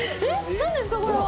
何ですかこれは。